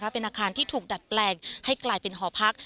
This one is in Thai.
เป็นอาคารที่ถูกดัดแปลงให้กลายเป็นหอพัก